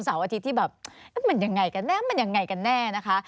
เสาร์อาทิตย์ที่แบบมันอย่างไรกันแน่มันอย่างไรกันแน่นะคะ